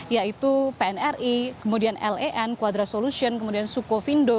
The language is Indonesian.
yaitu pnri kemudian len quadra solution kemudian sukovindo